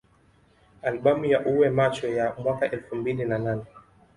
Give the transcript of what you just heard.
Albamu ya Uwe Macho ya mwaka elfu mbili na nne